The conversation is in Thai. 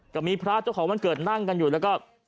ก็มีพระเจ้าของวันเกิดนั่งกันอยู่แล้วก็